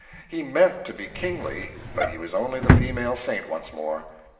He meant to be kingly, but he was only the female saint once more.